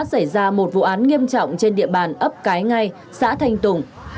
xảy ra một vụ án nghiêm trọng trên địa bàn ấp cái ngay xã thanh tùng